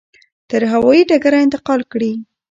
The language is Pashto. تر هوایي ډګره انتقال کړي.